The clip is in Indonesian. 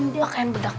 pakai yang bedak